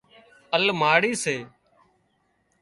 الماڙِي سي